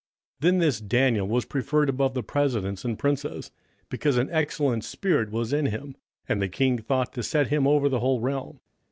27:006:003 Then this Daniel was preferred above the presidents and princes, because an excellent spirit was in him; and the king thought to set him over the whole realm.